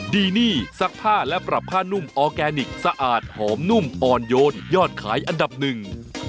ดีนี่ซักผ้าและปรับผ้านุ่มออร์แกนิคสะอาดหอมนุ่มอ่อนโยนยอดขายอันดับหนึ่ง